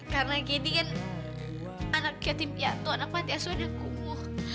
karena candy kan anak yatim piatu anak pahat yaswan yang kumuh